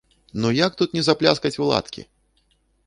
Ну як тут ні запляскаць у ладкі!